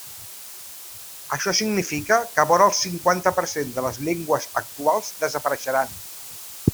Això significa que vora el cinquanta per cent de les llengües actuals desapareixeran.